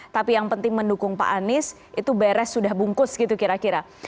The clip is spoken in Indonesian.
tapi yang penting mendukung pak anies itu beres sudah bungkus gitu kira kira